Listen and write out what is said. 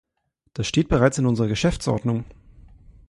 Das steht bereits in unserer Geschäftsordnung.